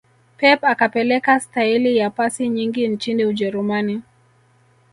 pep akapeleka staili ya pasi nyingi nchini ujerumani